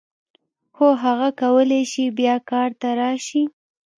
هو هغه کولای شي بیا کار ته راشي.